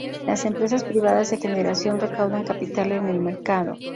Las empresas privadas de generación recaudan capital en el mercado.